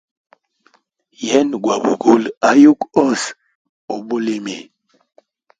Yena gwa bugule ayugu ose ubulimi.